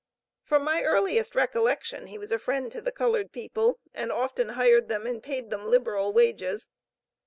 From my earliest recollection, he was a friend to the colored people, and often hired them and paid them liberal wages.